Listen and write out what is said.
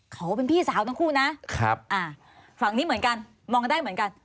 เราจะบอกว่าฝั่งโน้วเนี่ย